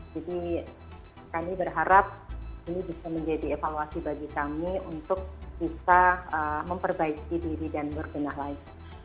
jadi kami berharap ini bisa menjadi evaluasi bagi kami untuk bisa memperbaiki diri dan berkenaan lain